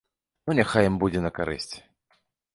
Ну, няхай ім будзе на карысць.